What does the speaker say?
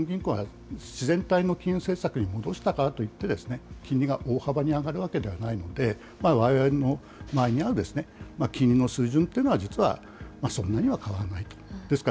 ですからこれから日本銀行は自然体の金融政策に戻したからといって、金利が大幅に上がるわけではないので、われわれの周りにある金利の水準というのは、実はそんなには変わらない。